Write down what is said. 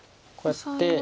こうやって。